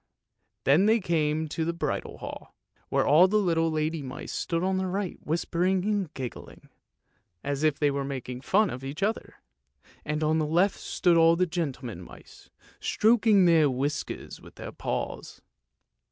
Then they came to the bridal hall, where all the little lady mice stood on the right whispering and giggling, as if they were OLE LUKOIE, THE DUSTMAN 355 making fun of each other, and on the left stood all the gentlemen mice stroking their whiskers with their paws.